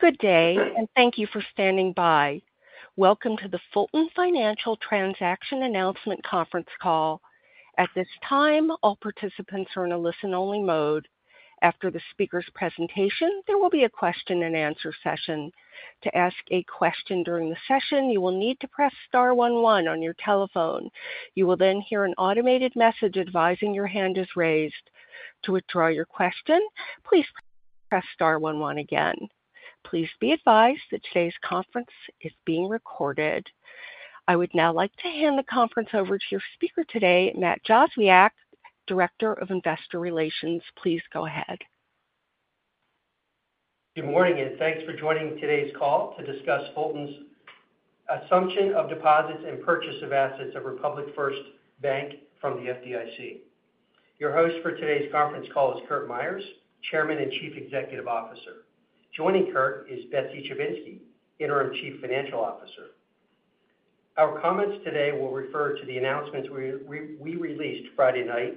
Good day, and thank you for standing by. Welcome to the Fulton Financial Transaction Announcement Conference Call. At this time, all participants are in a listen-only mode. After the speaker's presentation, there will be a question-and-answer session. To ask a question during the session, you will need to press star one one on your telephone. You will then hear an automated message advising your hand is raised. To withdraw your question, please press star one one again. Please be advised that today's conference is being recorded. I would now like to hand the conference over to your speaker today, Matt Jozwiak, Director of Investor Relations. Please go ahead. Good morning, and thanks for joining today's call to discuss Fulton's assumption of deposits and purchase of assets of Republic First Bank from the FDIC. Your host for today's conference call is Curt Myers, Chairman and Chief Executive Officer. Joining Curt is Betsy Chivinski, Interim Chief Financial Officer. Our comments today will refer to the announcements we released Friday night,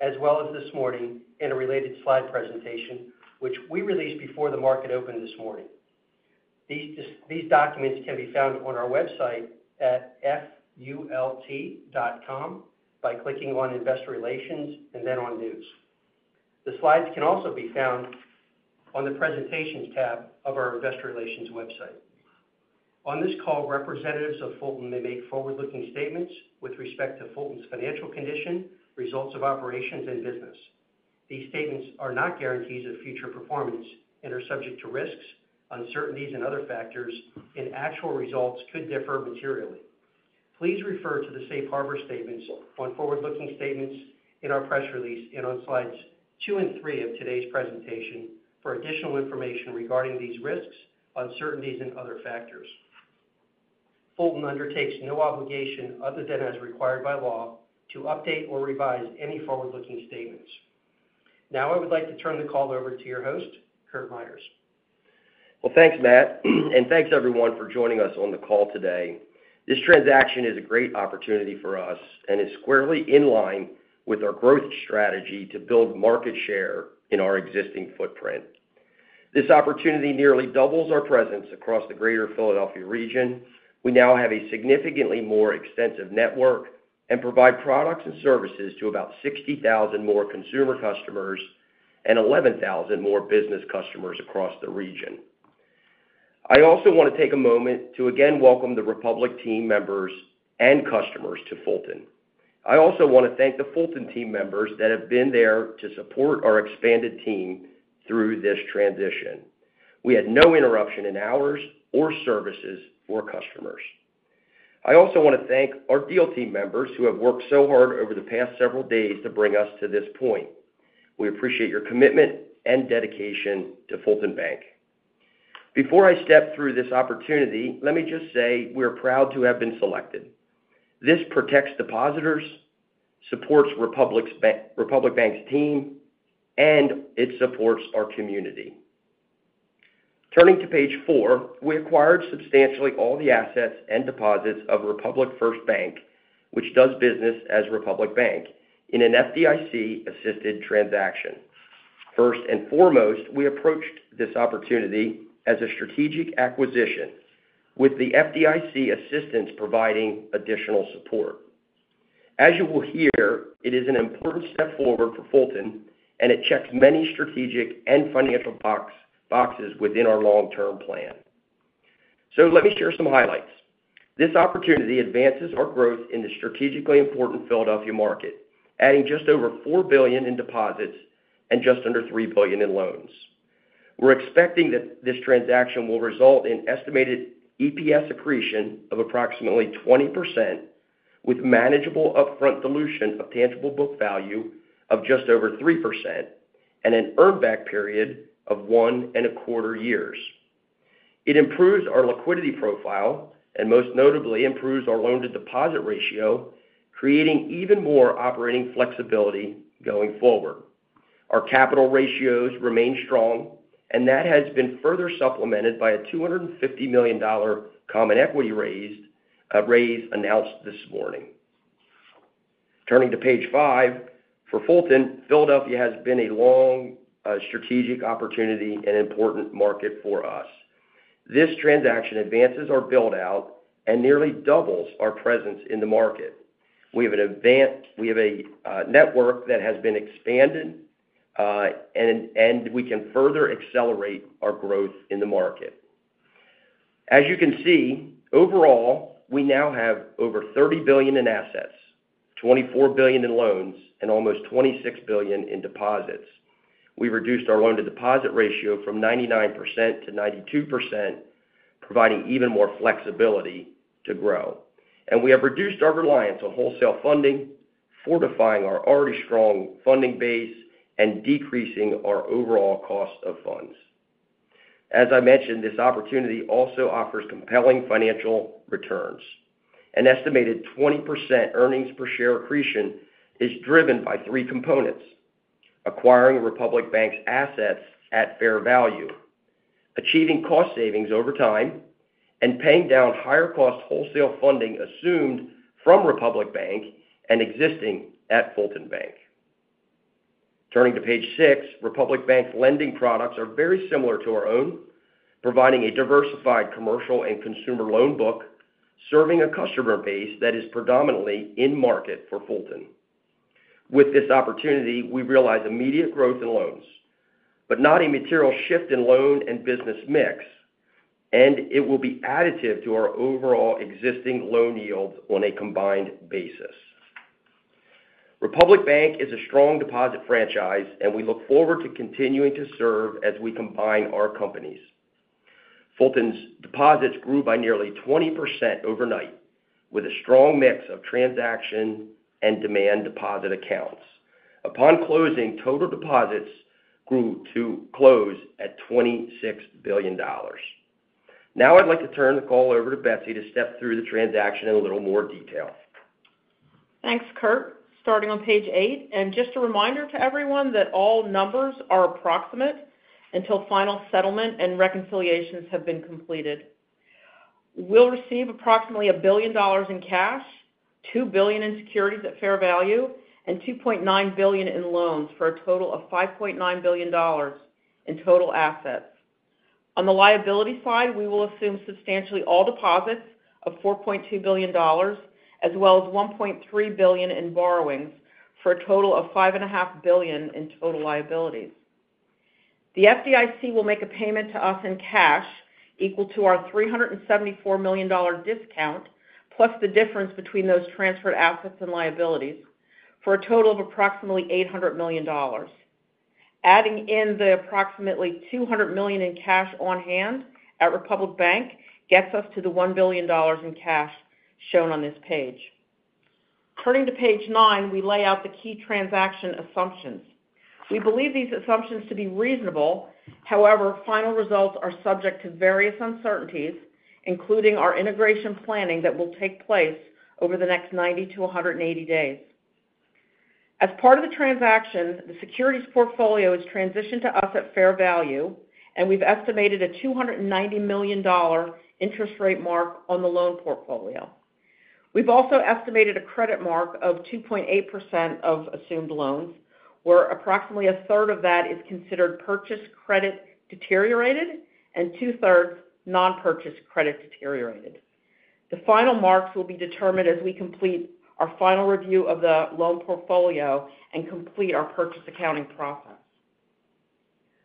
as well as this morning in a related slide presentation, which we released before the market opened this morning. These documents can be found on our website at fult.com by clicking on Investor Relations and then on News. The slides can also be found on the Presentations tab of our Investor Relations website. On this call, representatives of Fulton may make forward-looking statements with respect to Fulton's financial condition, results of operations, and business. These statements are not guarantees of future performance and are subject to risks, uncertainties, and other factors, and actual results could differ materially. Please refer to the safe harbor statements on forward-looking statements in our press release and on slides two and three of today's presentation for additional information regarding these risks, uncertainties and other factors. Fulton undertakes no obligation, other than as required by law, to update or revise any forward-looking statements. Now, I would like to turn the call over to your host, Curt Myers. Well, thanks, Matt, and thanks, everyone, for joining us on the call today. This transaction is a great opportunity for us and is squarely in line with our growth strategy to build market share in our existing footprint. This opportunity nearly doubles our presence across the greater Philadelphia region. We now have a significantly more extensive network and provide products and services to about 60,000 more consumer customers and 11,000 more business customers across the region. I also want to take a moment to again welcome the Republic team members and customers to Fulton. I also want to thank the Fulton team members that have been there to support our expanded team through this transition. We had no interruption in hours or services for customers. I also want to thank our deal team members who have worked so hard over the past several days to bring us to this point. We appreciate your commitment and dedication to Fulton Bank. Before I step through this opportunity, let me just say we're proud to have been selected. This protects depositors, supports Republic's Bank—Republic Bank's team, and it supports our community. Turning to page four, we acquired substantially all the assets and deposits of Republic First Bank, which does business as Republic Bank, in an FDIC-assisted transaction. First and foremost, we approached this opportunity as a strategic acquisition, with the FDIC assistance providing additional support. As you will hear, it is an important step forward for Fulton, and it checks many strategic and financial box, boxes within our long-term plan. So let me share some highlights. This opportunity advances our growth in the strategically important Philadelphia market, adding just over $4 billion in deposits and just under $3 billion in loans. We're expecting that this transaction will result in estimated EPS accretion of approximately 20%, with manageable upfront dilution of tangible book value of just over 3% and an earn back period of 1.25 years. It improves our liquidity profile and, most notably, improves our loan-to-deposit ratio, creating even more operating flexibility going forward. Our capital ratios remain strong, and that has been further supplemented by a $250 million common equity raise announced this morning. Turning to page five, for Fulton, Philadelphia has been a long strategic opportunity and important market for us. This transaction advances our build-out and nearly doubles our presence in the market. We have a network that has been expanded, and we can further accelerate our growth in the market. As you can see, overall, we now have over $30 billion in assets, $24 billion in loans, and almost $26 billion in deposits. We reduced our loan-to-deposit ratio from 99%-92%, providing even more flexibility to grow. We have reduced our reliance on wholesale funding, fortifying our already strong funding base and decreasing our overall cost of funds. As I mentioned, this opportunity also offers compelling financial returns. An estimated 20% earnings per share accretion is driven by three components: acquiring Republic Bank's assets at fair value, achieving cost savings over time, and paying down higher-cost wholesale funding assumed from Republic Bank and existing at Fulton Bank. Turning to page six, Republic Bank's lending products are very similar to our own, providing a diversified commercial and consumer loan book, serving a customer base that is predominantly in-market for Fulton. With this opportunity, we realize immediate growth in loans, but not a material shift in loan and business mix, and it will be additive to our overall existing loan yields on a combined basis. Republic Bank is a strong deposit franchise, and we look forward to continuing to serve as we combine our companies. Fulton's deposits grew by nearly 20% overnight, with a strong mix of transaction and demand deposit accounts. Upon closing, total deposits grew to close at $26 billion. Now I'd like to turn the call over to Betsy to step through the transaction in a little more detail. Thanks, Curt. Starting on page eight, and just a reminder to everyone that all numbers are approximate until final settlement and reconciliations have been completed. We'll receive approximately $1 billion in cash, $2 billion in securities at fair value, and $2.9 billion in loans, for a total of $5.9 billion in total assets. On the liability side, we will assume substantially all deposits of $4.2 billion, as well as $1.3 billion in borrowings, for a total of $5.5 billion in total liabilities. The FDIC will make a payment to us in cash equal to our $374 million discount, plus the difference between those transferred assets and liabilities, for a total of approximately $800 million. Adding in the approximately $200 million in cash on hand at Republic Bank gets us to the $1 billion in cash shown on this page. Turning to page nine, we lay out the key transaction assumptions. We believe these assumptions to be reasonable. However, final results are subject to various uncertainties, including our integration planning that will take place over the next 90-180 days. As part of the transaction, the securities portfolio is transitioned to us at fair value, and we've estimated a $290 million interest rate mark on the loan portfolio. We've also estimated a credit mark of 2.8% of assumed loans, where approximately a 1/3 of that is considered purchase credit deteriorated and 2/3 non-purchase credit deteriorated. The final marks will be determined as we complete our final review of the loan portfolio and complete our purchase accounting process.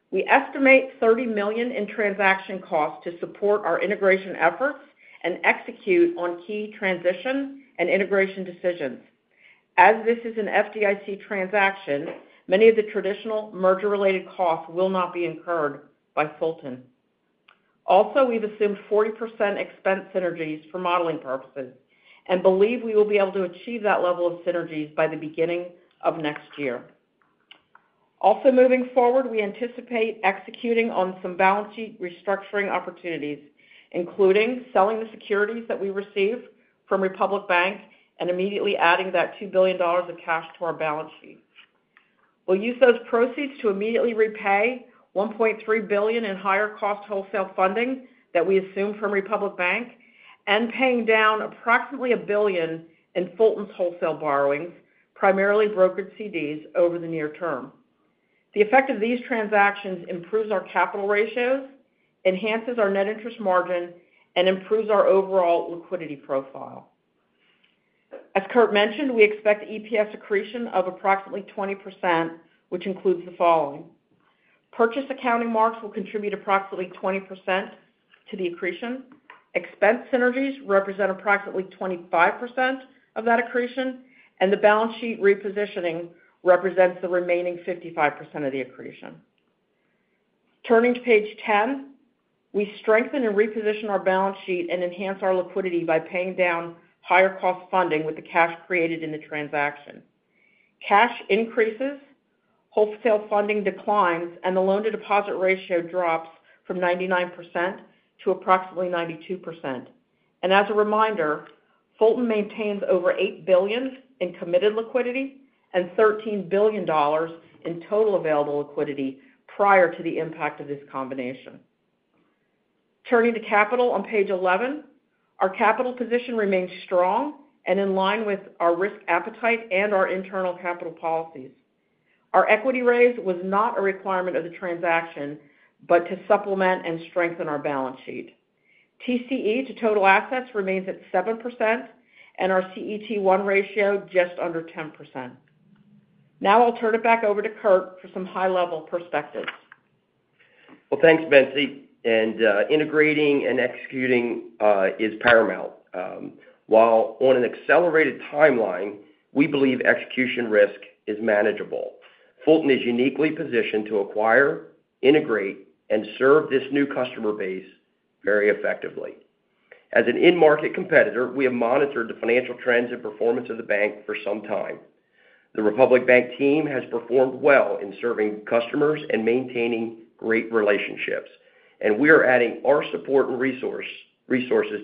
We estimate $30 million in transaction costs to support our integration efforts and execute on key transition and integration decisions. As this is an FDIC transaction, many of the traditional merger-related costs will not be incurred by Fulton. Also, we've assumed 40% expense synergies for modeling purposes and believe we will be able to achieve that level of synergies by the beginning of next year. Also, moving forward, we anticipate executing on some balance sheet restructuring opportunities, including selling the securities that we receive from Republic Bank and immediately adding that $2 billion of cash to our balance sheet. We'll use those proceeds to immediately repay $1.3 billion in higher-cost wholesale funding that we assumed from Republic Bank and paying down approximately $1 billion in Fulton's wholesale borrowings, primarily brokered CDs, over the near term. The effect of these transactions improves our capital ratios, enhances our net interest margin, and improves our overall liquidity profile. As Curt mentioned, we expect EPS accretion of approximately 20%, which includes the following: purchase accounting marks will contribute approximately 20% to the accretion, expense synergies represent approximately 25% of that accretion, and the balance sheet repositioning represents the remaining 55% of the accretion. Turning to page 10, we strengthen and reposition our balance sheet and enhance our liquidity by paying down higher-cost funding with the cash created in the transaction. Cash increases, wholesale funding declines, and the loan-to-deposit ratio drops from 99% to approximately 92%. As a reminder, Fulton maintains over $8 billion in committed liquidity and $13 billion in total available liquidity prior to the impact of this combination. Turning to capital on page 11, our capital position remains strong and in line with our risk appetite and our internal capital policies. Our equity raise was not a requirement of the transaction, but to supplement and strengthen our balance sheet. TCE to total assets remains at 7%, and our CET1 ratio just under 10%. Now I'll turn it back over to Curt for some high-level perspectives. Well, thanks, Betsy. And, integrating and executing is paramount. While on an accelerated timeline, we believe execution risk is manageable. Fulton is uniquely positioned to acquire, integrate, and serve this new customer base very effectively. As an in-market competitor, we have monitored the financial trends and performance of the bank for some time. The Republic Bank team has performed well in serving customers and maintaining great relationships, and we are adding our support and resources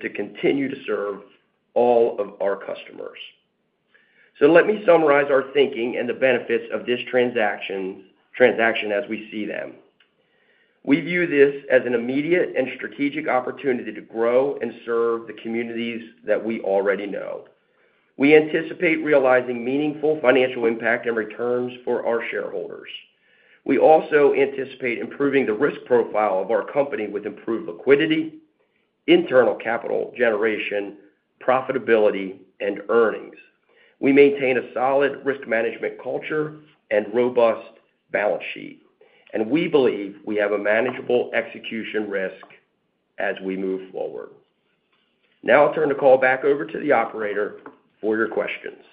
to continue to serve all of our customers. So let me summarize our thinking and the benefits of this transaction as we see them... We view this as an immediate and strategic opportunity to grow and serve the communities that we already know. We anticipate realizing meaningful financial impact and returns for our shareholders. We also anticipate improving the risk profile of our company with improved liquidity, internal capital generation, profitability, and earnings. We maintain a solid risk management culture and robust balance sheet, and we believe we have a manageable execution risk as we move forward. Now I'll turn the call back over to the operator for your questions.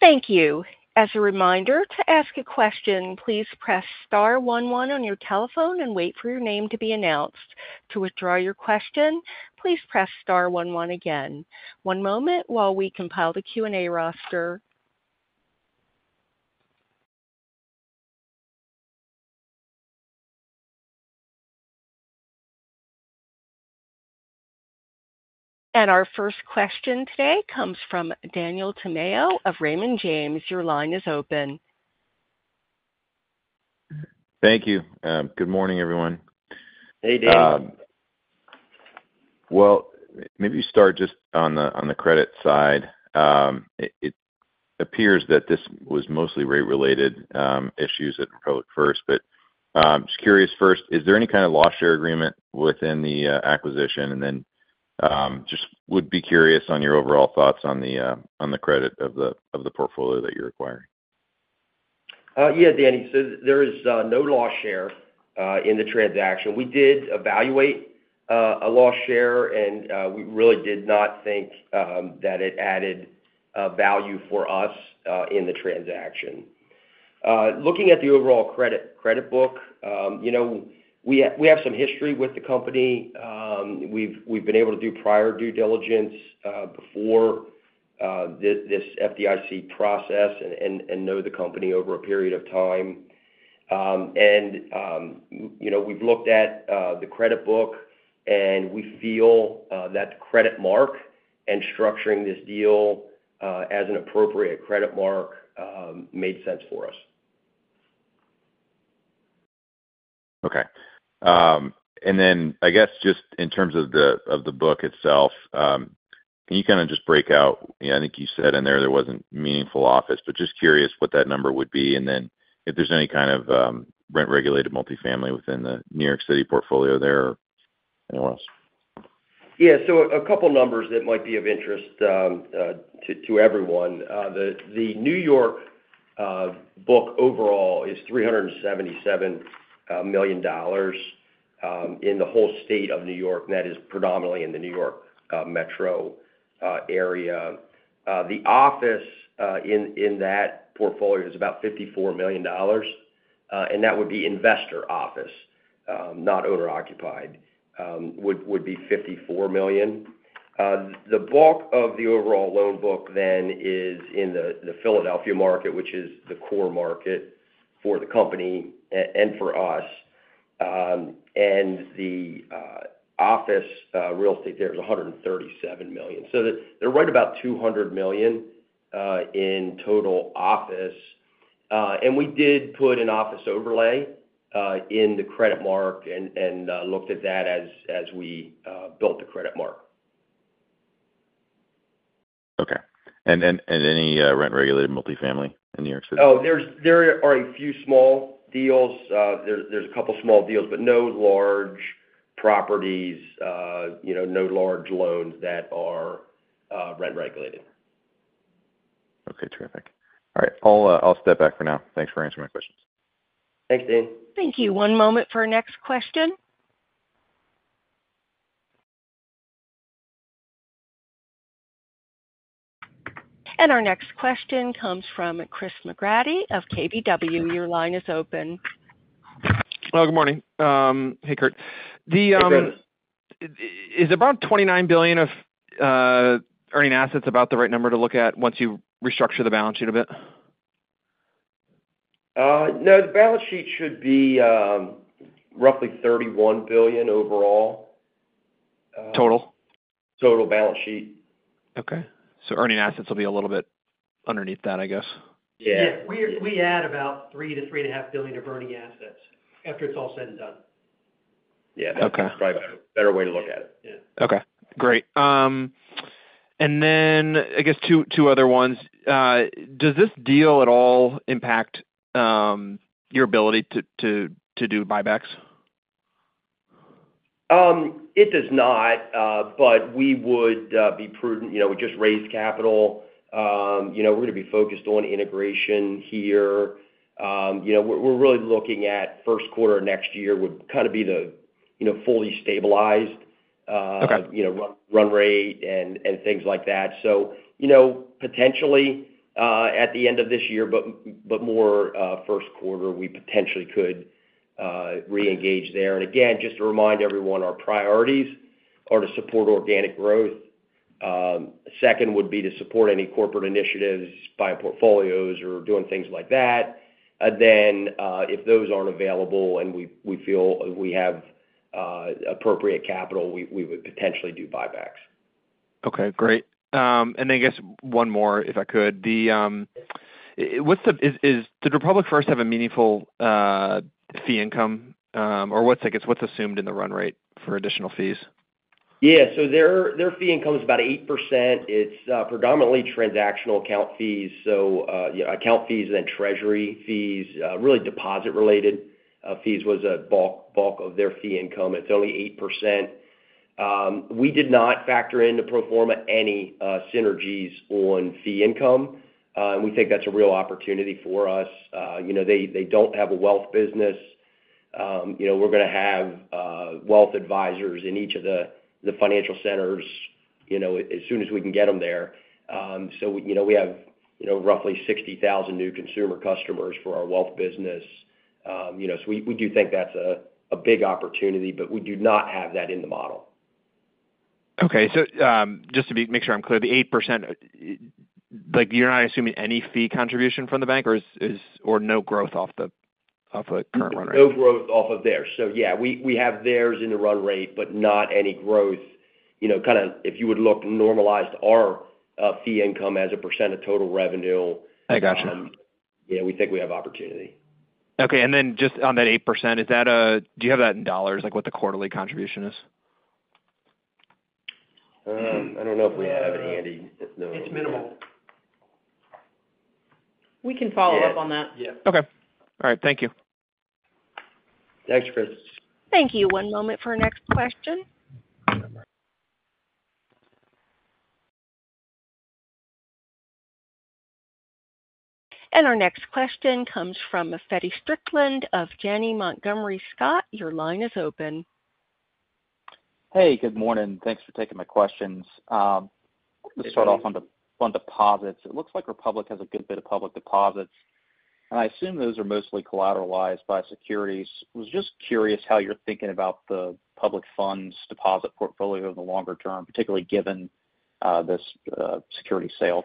Thank you. As a reminder, to ask a question, please press star one one on your telephone and wait for your name to be announced. To withdraw your question, please press star one one again. One moment while we compile the Q&A roster. Our first question today comes from Daniel Tamayo of Raymond James. Your line is open. Thank you. Good morning, everyone. Hey, Daniel. Well, maybe start just on the credit side. It appears that this was mostly rate-related issues that occurred first, but just curious, first, is there any kind of loss share agreement within the acquisition? And then, just would be curious on your overall thoughts on the credit of the portfolio that you're acquiring. Yeah, Daniel. So there is no loss share in the transaction. We did evaluate a loss share, and we really did not think that it added value for us in the transaction. Looking at the overall credit book, you know, we have some history with the company. We've been able to do prior due diligence before this FDIC process and know the company over a period of time. And you know, we've looked at the credit book, and we feel that credit mark and structuring this deal as an appropriate credit mark made sense for us. Okay. And then, I guess, just in terms of the book itself, can you kind of just break out... I think you said in there, there wasn't meaningful office, but just curious what that number would be, and then if there's any kind of rent-regulated multifamily within the New York City portfolio there or anyone else? Yeah. So a couple numbers that might be of interest to everyone. The New York book overall is $377 million in the whole state of New York, and that is predominantly in the New York metro area. The office in that portfolio is about $54 million, and that would be investor office, not owner-occupied, $54 million. The bulk of the overall loan book then is in the Philadelphia market, which is the core market for the company and for us. And the office real estate there is $137 million. So they're right about $200 million in total office. We did put an office overlay in the credit mark and looked at that as we built the credit mark. Okay. And any rent-regulated multifamily in New York City? Oh, there are a few small deals. There's a couple small deals, but no large properties, you know, no large loans that are rent-regulated. Okay. Terrific. All right. I'll, I'll step back for now. Thanks for answering my questions. Thanks, Daniel. Thank you. One moment for our next question. Our next question comes from Chris McGratty of KBW. Your line is open. Well, good morning. Hey, Curt. Hey, Chris. Is about $29 billion of earning assets about the right number to look at once you restructure the balance sheet a bit? No, the balance sheet should be roughly $31 billion overall. Total? Total balance sheet. Okay. So earning assets will be a little bit underneath that, I guess? Yeah. Yeah, we add about $3 billion-$3.5 billion of earning assets after it's all said and done. Yeah. Okay. That's probably a better way to look at it. Yeah. Okay, great. And then, I guess two other ones. Does this deal at all impact your ability to do buybacks? It does not, but we would be prudent. You know, we just raised capital. You know, we're going to be focused on integration here. You know, we're really looking at first quarter of next year would kind of be the, you know, fully stabilized. Okay... you know, run rate and things like that. So, you know, potentially, at the end of this year, but more first quarter, we potentially could reengage there. And again, just to remind everyone, our priorities are to support organic growth. Second would be to support any corporate initiatives, buy portfolios or doing things like that. And then, if those aren't available and we feel we have appropriate capital, we would potentially do buybacks.... Okay, great. And then I guess one more, if I could. The, what's the-- is-- did Republic First have a meaningful fee income, or what's, I guess, what's assumed in the run rate for additional fees? Yeah. So their fee income is about 8%. It's predominantly transactional account fees. So, yeah, account fees and treasury fees really deposit-related fees was a bulk of their fee income. It's only 8%. We did not factor into pro forma any synergies on fee income. And we think that's a real opportunity for us. You know, they don't have a wealth business. You know, we're going to have wealth advisors in each of the financial centers, you know, as soon as we can get them there. So, you know, we have, you know, roughly 60,000 new consumer customers for our wealth business. You know, so we do think that's a big opportunity, but we do not have that in the model. Okay. So, just to make sure I'm clear, the 8%, like, you're not assuming any fee contribution from the bank or is, is... or no growth off the current run rate? No growth off of theirs. So yeah, we, we have theirs in the run rate, but not any growth. You know, kind of if you would look and normalize our, fee income as a percent of total revenue- I got you. Yeah, we think we have opportunity. Okay. And then just on that 8%, is that... Do you have that in dollars, like what the quarterly contribution is? I don't know if we have it handy. No. It's minimal. We can follow up on that. Yeah. Yeah. Okay. All right. Thank you. Thanks, Chris. Thank you. One moment for our next question. And our next question comes from Feddie Strickland of Janney Montgomery Scott. Your line is open. Hey, good morning. Thanks for taking my questions. Let's start off on deposits. It looks like Republic has a good bit of public deposits, and I assume those are mostly collateralized by securities. I was just curious how you're thinking about the public funds deposit portfolio in the longer term, particularly given this security sale.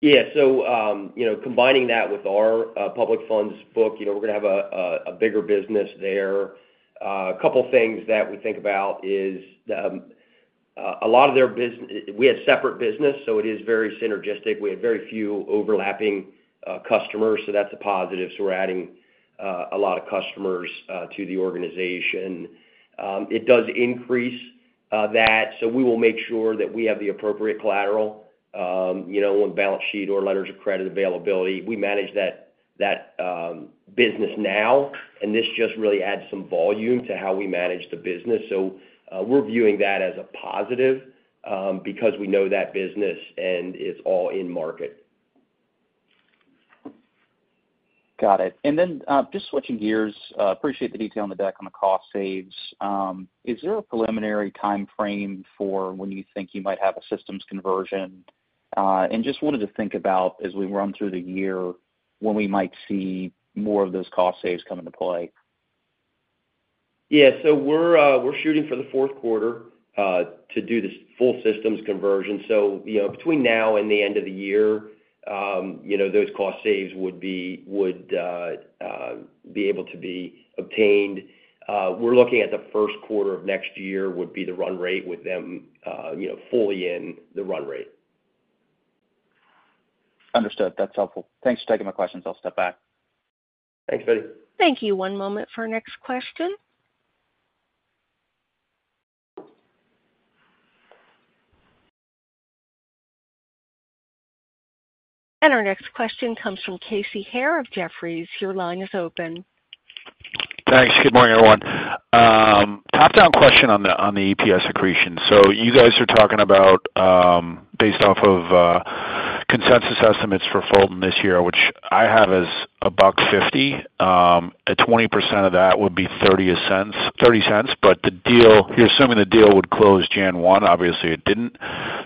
Yeah. So, you know, combining that with our public funds book, you know, we're going to have a bigger business there. A couple things that we think about is a lot of their business. We had separate business, so it is very synergistic. We had very few overlapping customers, so that's a positive. So we're adding a lot of customers to the organization. It does increase that, so we will make sure that we have the appropriate collateral, you know, on balance sheet or letters of credit availability. We manage that business now, and this just really adds some volume to how we manage the business. So, we're viewing that as a positive because we know that business and it's all in market. Got it. And then, just switching gears, appreciate the detail on the deck on the cost saves. Is there a preliminary timeframe for when you think you might have a systems conversion? And just wanted to think about as we run through the year, when we might see more of those cost saves come into play. Yeah. So we're shooting for the fourth quarter to do this full systems conversion. So, you know, between now and the end of the year, you know, those cost saves would be able to be obtained. We're looking at the first quarter of next year, would be the run rate with them, you know, fully in the run rate. Understood. That's helpful. Thanks for taking my questions. I'll step back. Thanks, Feddie. Thank you. One moment for our next question. Our next question comes from Casey Haire of Jefferies. Your line is open. Thanks. Good morning, everyone. Top-down question on the, on the EPS accretion. So you guys are talking about, based off of, consensus estimates for Fulton this year, which I have as $1.50. At 20% of that would be $0.30, $0.30. But you're assuming the deal would close January 1, obviously, it didn't.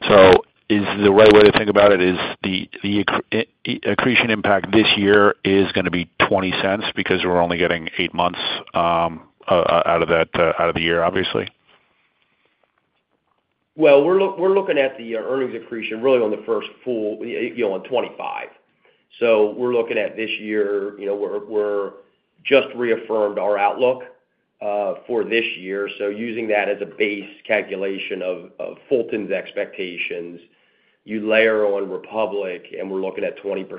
So is the right way to think about it is the, the accretion impact this year is going to be $0.20 because we're only getting 8 months, out of that, out of the year, obviously? Well, we're looking at the earnings accretion really on the first full, you know, on 2025. So we're looking at this year, you know, we're just reaffirmed our outlook for this year. So using that as a base calculation of Fulton's expectations, you layer on Republic, and we're looking at 20%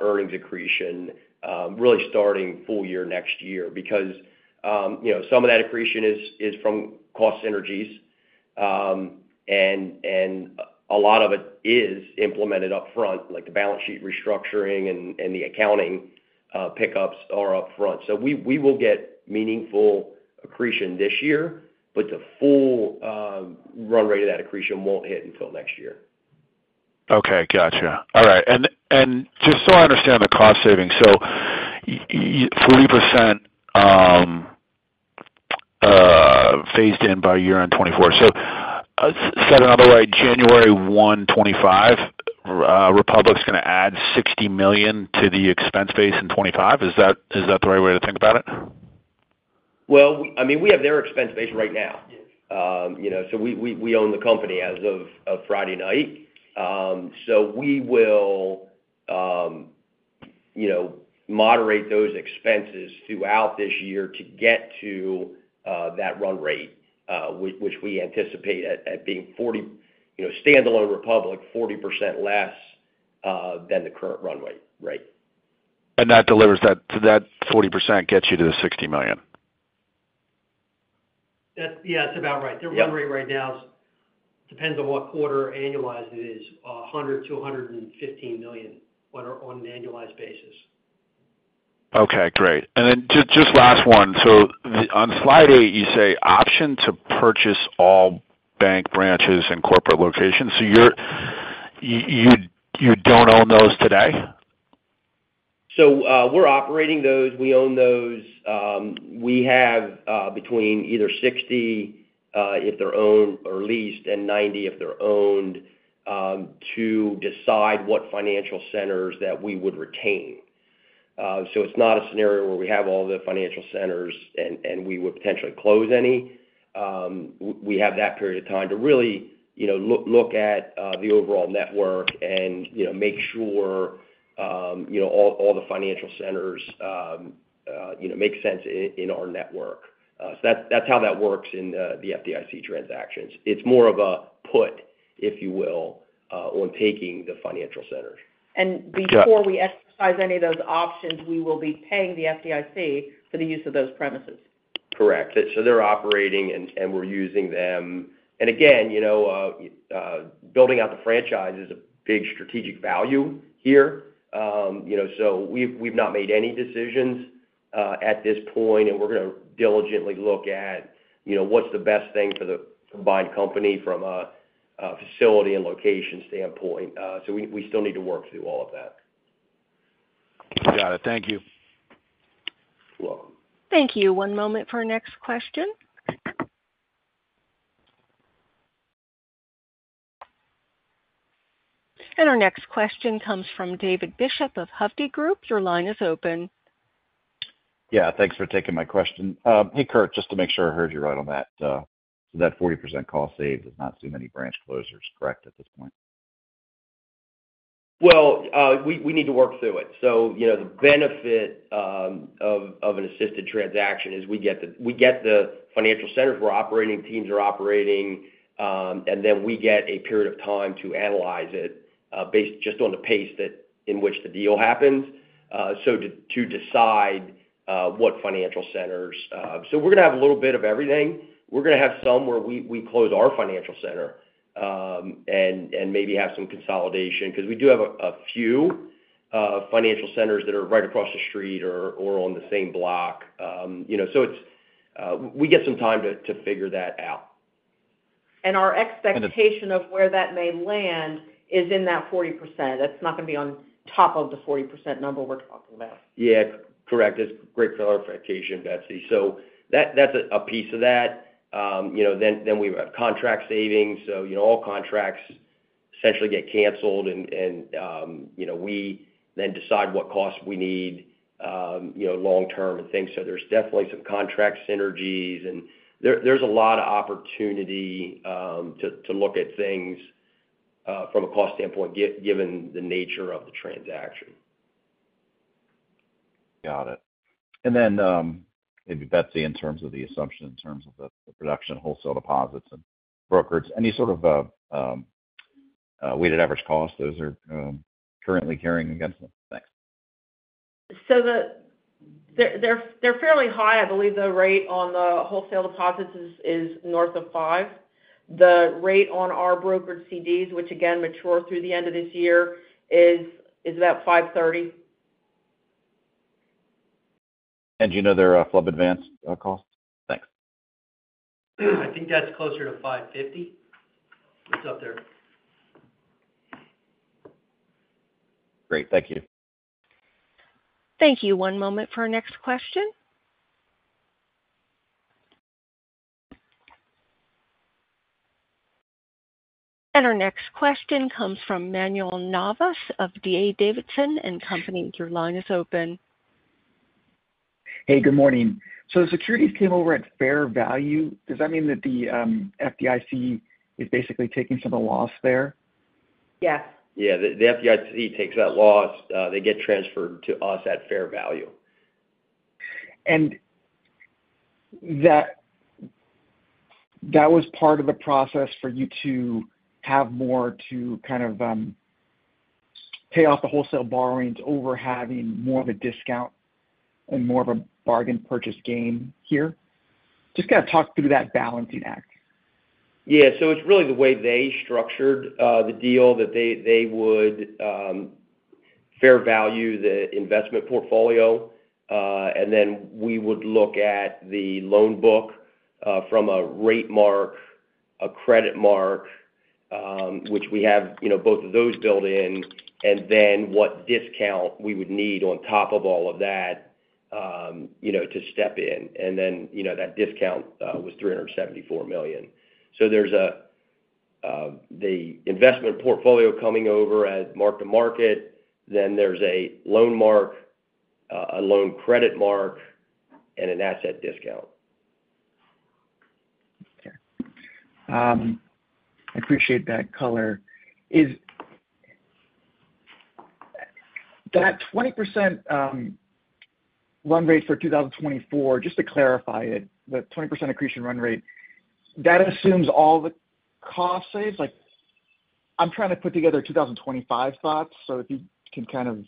earnings accretion really starting full year next year. Because you know, some of that accretion is from cost synergies and a lot of it is implemented upfront, like the balance sheet restructuring and the accounting pickups are upfront. So we will get meaningful accretion this year, but the full run rate of that accretion won't hit until next year. Okay, got you. All right. And just so I understand the cost savings, you fully percent phased in by year-end 2024. Said another way, January 1, 2025, Republic's going to add $60 million to the expense base in 2025. Is that the right way to think about it? Well, I mean, we have their expense base right now. Yes. You know, so we own the company as of Friday night. So we will, you know, moderate those expenses throughout this year to get to that run rate, which we anticipate at being 40%, you know, standalone Republic, 40% less than the current run rate, right? And that delivers that, so that 40% gets you to the $60 million? Yeah, that's about right. Yep. The run rate right now is, depends on what quarter annualized it is, $100 million-$115 million on an annualized basis. Okay, great. And then just last one. So on slide eight, you say, option to purchase all bank branches and corporate locations. So you don't own those today? So, we're operating those. We own those. We have between either 60, if they're owned or leased, and 90 if they're owned, to decide what financial centers that we would retain. So it's not a scenario where we have all the financial centers and we would potentially close any. We have that period of time to really, you know, look at the overall network and, you know, make sure, you know, all the financial centers, you know, make sense in our network. So that's how that works in the FDIC transactions. It's more of a put, if you will, on taking the financial centers. And before- Got- We exercise any of those options, we will be paying the FDIC for the use of those premises. Correct. So they're operating and we're using them. And again, you know, building out the franchise is a big strategic value here. You know, so we've not made any decisions at this point, and we're going to diligently look at, you know, what's the best thing for the combined company from a facility and location standpoint. So we still need to work through all of that. Got it. Thank you. You're welcome. Thank you. One moment for our next question. Our next question comes from David Bishop of Hovde Group. Your line is open. Yeah, thanks for taking my question. Hey, Curt, just to make sure I heard you right on that, so that 40% cost save does not assume any branch closures, correct, at this point? Well, we need to work through it. So, you know, the benefit of an assisted transaction is we get the financial centers where operating teams are operating, and then we get a period of time to analyze it, based just on the pace in which the deal happens, so to decide what financial centers. So we're going to have a little bit of everything. We're going to have some where we close our financial center, and maybe have some consolidation, because we do have a few financial centers that are right across the street or on the same block. You know, so it's we get some time to figure that out. Our expectation- And the- -of where that may land is in that 40%. It's not going to be on top of the 40% number we're talking about. Yeah, correct. That's great clarification, Betsy. So that, that's a piece of that. You know, then we have contract savings. So, you know, all contracts essentially get canceled, and we then decide what costs we need, you know, long term and things. So there's definitely some contract synergies, and there's a lot of opportunity to look at things from a cost standpoint, given the nature of the transaction. Got it. And then, maybe Betsy Chivinski, in terms of the assumption, in terms of the reduction in wholesale deposits and brokerages, any sort of weighted average cost those are currently carrying against them? Thanks. So they're fairly high. I believe the rate on the wholesale deposits is north of 5%. The rate on our brokered CDs, which again mature through the end of this year, is about 5.30%. Do you know their FHLB advance cost? Thanks. I think that's closer to $5.50. It's up there. Great. Thank you. Thank you. One moment for our next question. And our next question comes from Manuel Navas of D.A. Davidson and Company. Your line is open. Hey, good morning. So the securities came over at fair value. Does that mean that the FDIC is basically taking some of the loss there? Yes. Yeah, the FDIC takes that loss. They get transferred to us at fair value. That was part of the process for you to have more to kind of pay off the wholesale borrowings over having more of a discount and more of a bargain purchase gain here? Just kind of talk through that balancing act. Yeah, so it's really the way they structured the deal, that they, they would fair value the investment portfolio, and then we would look at the loan book from a rate mark, a credit mark, which we have, you know, both of those built in, and then what discount we would need on top of all of that, you know, to step in. And then, you know, that discount was $374 million. So there's the investment portfolio coming over as mark-to-market, then there's a loan mark, a loan credit mark, and an asset discount.... I appreciate that color. Is that 20% run rate for 2024, just to clarify it, the 20% accretion run rate, that assumes all the cost saves? Like, I'm trying to put together 2025 thoughts, so if you can kind of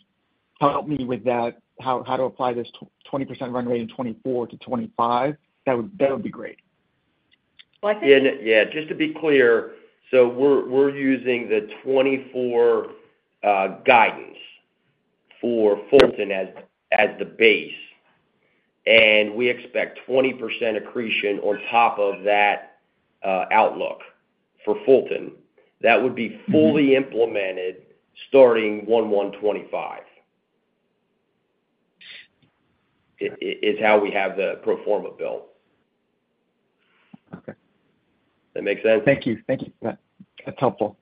help me with that, how to apply this 20% run rate in 2024 to 2025, that would be great. Well, I think- Yeah. Yeah, just to be clear, so we're using the 2024 guidance for Fulton as the base, and we expect 20% accretion on top of that outlook for Fulton. That would be- Mm-hmm fully implemented starting 1/1/2025. It is how we have the pro forma built. Okay. That make sense? Thank you. Thank you for that. That's helpful.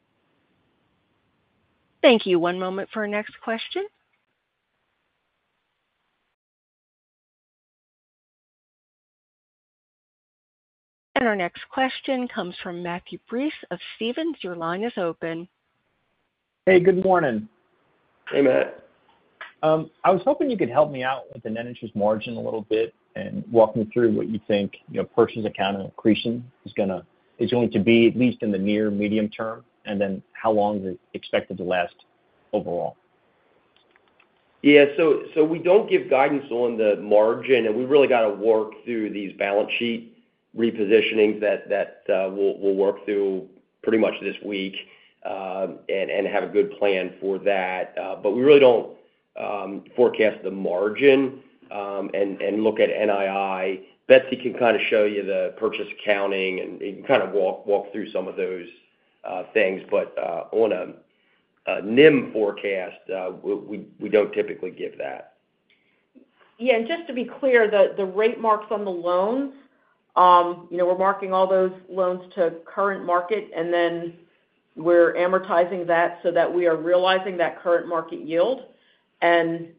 Thank you. One moment for our next question. Our next question comes from Matthew Breese of Stephens. Your line is open. Hey, good morning. Hey, Matt. I was hoping you could help me out with the net interest margin a little bit and walk me through what you think, you know, purchase accounting accretion is going to be, at least in the near medium term, and then how long is it expected to last overall? Yeah, so we don't give guidance on the margin, and we really got to work through these balance sheet repositionings that we'll work through pretty much this week, and have a good plan for that. But we really don't forecast the margin, and look at NII. Betsy can kind of show you the purchase accounting, and kind of walk through some of those things. But on a NIM forecast, we don't typically give that. Yeah, and just to be clear, the rate marks on the loans, you know, we're marking all those loans to current market, and then we're amortizing that so that we are realizing that current market yield. And,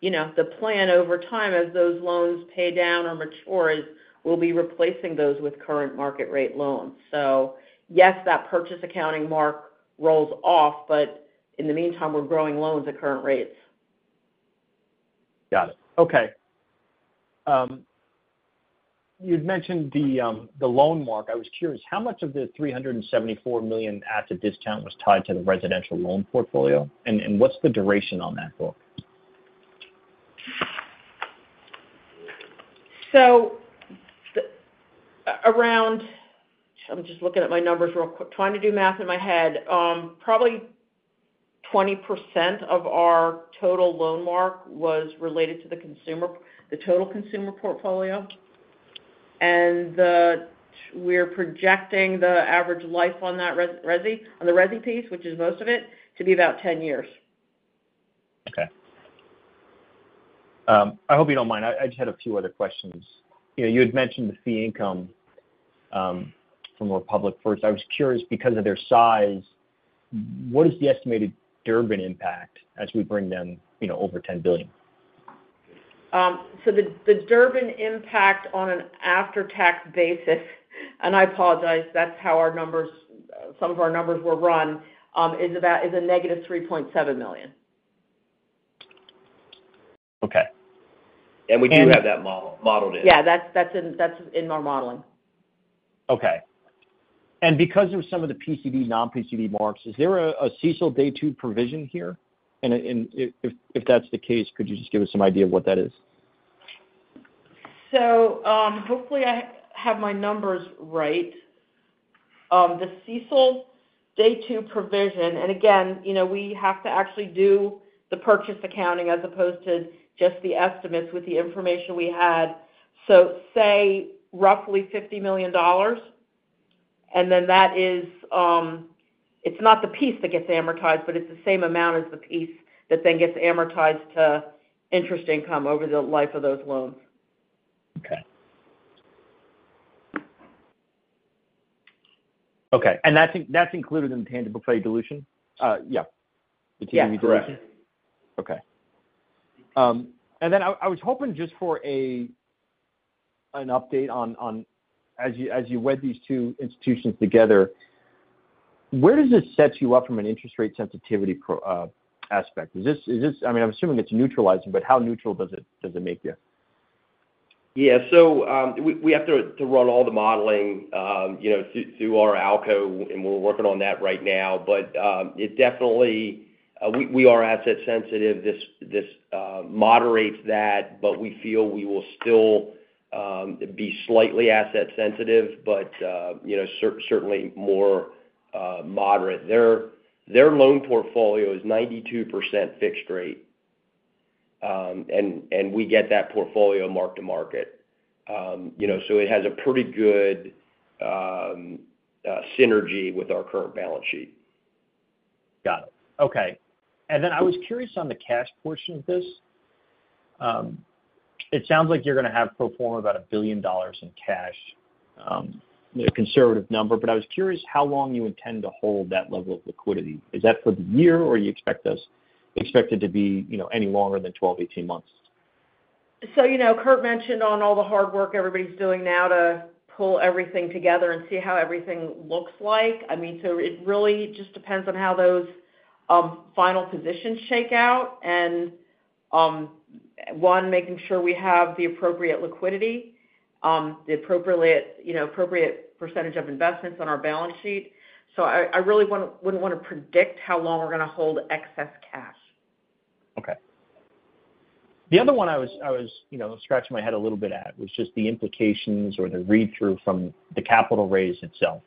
you know, the plan over time, as those loans pay down or mature, is we'll be replacing those with current market rate loans. So yes, that purchase accounting mark rolls off, but in the meantime, we're growing loans at current rates. Got it. Okay. You'd mentioned the loan mark. I was curious, how much of the $374 million at a discount was tied to the residential loan portfolio? And, what's the duration on that book? So around, I'm just looking at my numbers real quick, trying to do math in my head. Probably 20% of our total loan mark was related to the consumer, the total consumer portfolio. And we're projecting the average life on that resi, on the resi piece, which is most of it, to be about 10 years. Okay. I hope you don't mind, I just had a few other questions. You know, you had mentioned the fee income from Republic First. I was curious, because of their size, what is the estimated Durbin impact as we bring them, you know, over $10 billion? So the Durbin impact on an after-tax basis, and I apologize, that's how our numbers, some of our numbers were run, is about a -$3.7 million. Okay. We do have that model, modeled in. Yeah, that's in our modeling. Okay. And because of some of the PCD, non-PCD marks, is there a CECL day two provision here? And if that's the case, could you just give us some idea of what that is? So, hopefully I have my numbers right. The CECL day two provision, and again, you know, we have to actually do the purchase accounting as opposed to just the estimates with the information we had. So say, roughly $50 million, and then that is, it's not the piece that gets amortized, but it's the same amount as the piece that then gets amortized to interest income over the life of those loans. Okay. Okay, and that's included in the tangible equity dilution? Yeah. Yeah. Correct. Okay. And then I was hoping just for an update on, as you wed these two institutions together, where does this set you up from an interest rate sensitivity profile? Is this... I mean, I'm assuming it's neutralizing, but how neutral does it make you? Yeah. So, we have to run all the modeling, you know, through our ALCO, and we're working on that right now. But, it definitely, we are asset sensitive. This moderates that, but we feel we will still be slightly asset sensitive, but, you know, certainly more moderate. Their loan portfolio is 92% fixed rate. And we get that portfolio mark to market. You know, so it has a pretty good synergy with our current balance sheet. Got it. Okay. And then I was curious on the cash portion of this. It sounds like you're going to have pro forma about $1 billion in cash, a conservative number, but I was curious how long you intend to hold that level of liquidity. Is that for the year, or you expect this, expect it to be, you know, any longer than 12-18 months?... So, you know, Curt mentioned all the hard work everybody's doing now to pull everything together and see how everything looks like. I mean, so it really just depends on how those final positions shake out, and one, making sure we have the appropriate liquidity, the appropriate, you know, appropriate percentage of investments on our balance sheet. So I really wouldn't want to predict how long we're going to hold excess cash. Okay. The other one I was, you know, scratching my head a little bit at, was just the implications or the read-through from the capital raise itself.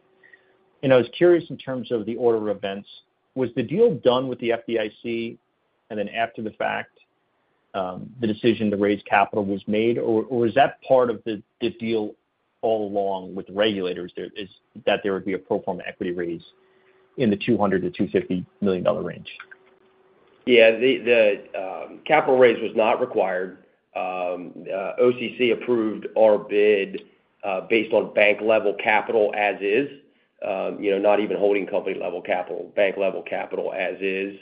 And I was curious in terms of the order of events, was the deal done with the FDIC, and then after the fact, the decision to raise capital was made, or, or was that part of the, the deal all along with the regulators there, is that there would be a pro forma equity raise in the $200 million-$250 million range? Yeah, the capital raise was not required. OCC approved our bid, based on bank-level capital as is, you know, not even holding company-level capital, bank-level capital as is.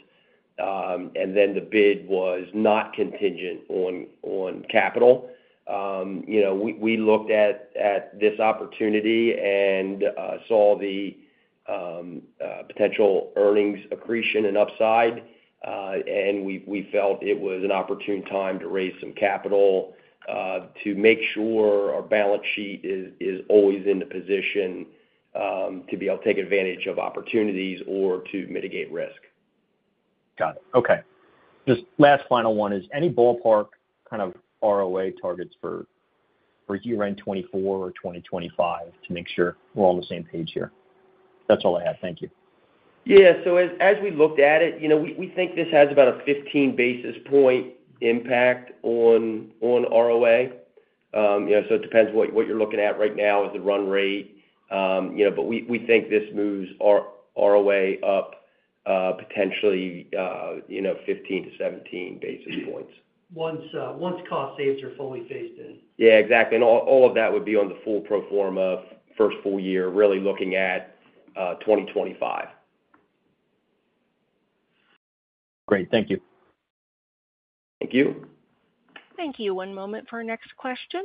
And then the bid was not contingent on capital. You know, we looked at this opportunity and saw the potential earnings accretion and upside, and we felt it was an opportune time to raise some capital, to make sure our balance sheet is always in the position to be able to take advantage of opportunities or to mitigate risk. Got it. Okay. Just last final one is, any ballpark kind of ROA targets for, for year-end 2024 or 2025 to make sure we're all on the same page here? That's all I have. Thank you. Yeah, so as we looked at it, you know, we think this has about a 15 basis point impact on ROA. You know, so it depends what you're looking at right now is the run rate. You know, but we think this moves our ROA up, potentially, you know, 15-17 basis points. Once, once cost saves are fully phased in. Yeah, exactly. All, all of that would be on the full pro forma first full year, really looking at 2025. Great. Thank you. Thank you. Thank you. One moment for our next question.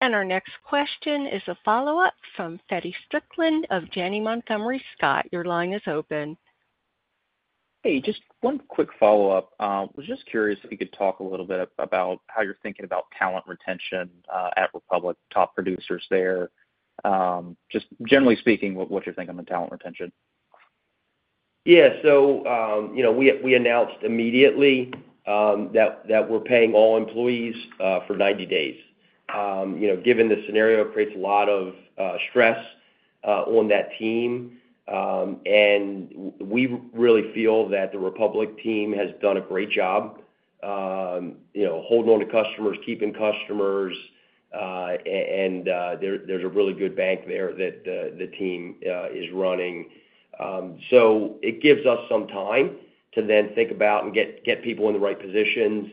Our next question is a follow-up from Feddie Strickland of Janney Montgomery Scott. Your line is open. Hey, just one quick follow-up. Was just curious if you could talk a little bit about how you're thinking about talent retention at Republic, top producers there. Just generally speaking, what you're thinking on the talent retention? Yeah. So, you know, we announced immediately that we're paying all employees for 90 days. You know, given the scenario, it creates a lot of stress on that team. And we really feel that the Republic team has done a great job, you know, holding on to customers, keeping customers, and there's a really good bank there that the team is running. So it gives us some time to then think about and get people in the right positions.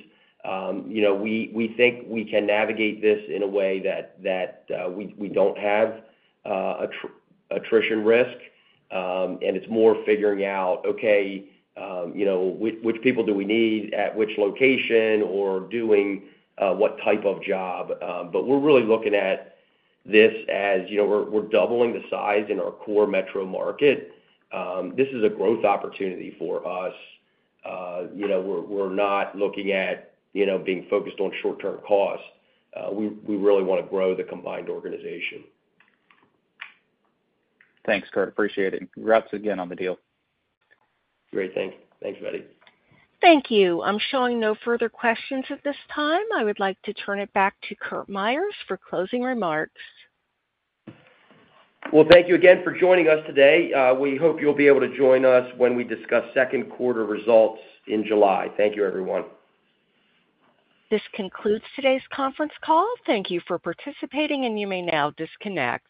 You know, we think we can navigate this in a way that we don't have attrition risk, and it's more figuring out, okay, you know, which people do we need at which location or doing what type of job? But we're really looking at this as, you know, we're doubling the size in our core metro market. This is a growth opportunity for us. You know, we're not looking at, you know, being focused on short-term costs. We really want to grow the combined organization. Thanks, Curt. Appreciate it. Congrats again on the deal. Great. Thanks, Feddie. Thank you. I'm showing no further questions at this time. I would like to turn it back to Curt Myers for closing remarks. Well, thank you again for joining us today. We hope you'll be able to join us when we discuss second quarter results in July. Thank you, everyone. This concludes today's conference call. Thank you for participating, and you may now disconnect.